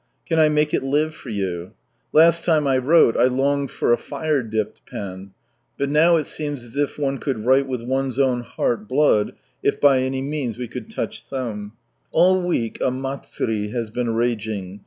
Can I make it live for you ? Last time I wrote, I longed for a fire dipped pen, but now it seems as it one could write with one's own heart blood, if by any means we could touch some. All week a " Matsurie " has been raging.